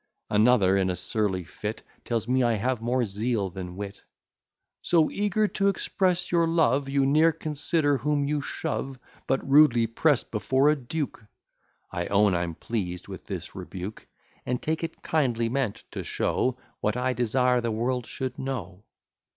Another, in a surly fit, Tells me I have more zeal than wit. "So eager to express your love, You ne'er consider whom you shove, But rudely press before a duke." I own I'm pleased with this rebuke, And take it kindly meant, to show What I desire the world should know.